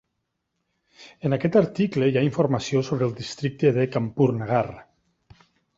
En aquest article hi ha informació sobre el districte de Kanpur Nagar.